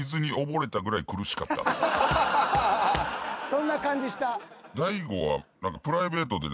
そんな感じした。